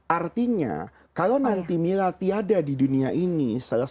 artinya kalau nanti mila tiada di dunia ini